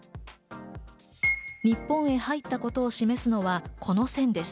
日本へ入ったことを示すのはこの線です。